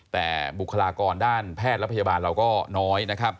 แต่บุคลากรด้านแพทย์และพยาบาลเราก็น้อยนะครับ